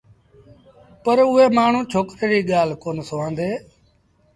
پر اُئي مآڻهوٚٚݩ ڇوڪري ريٚ ڳآل ڪونا سُوآݩدي